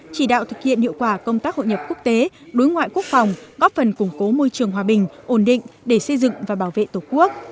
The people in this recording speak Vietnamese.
chỉ đạo thực hiện hiệu quả công tác hội nhập quốc tế đối ngoại quốc phòng góp phần củng cố môi trường hòa bình ổn định để xây dựng và bảo vệ tổ quốc